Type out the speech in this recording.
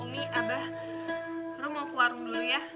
umi abah ru mau ke warung dulu ya